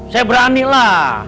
saya berani lah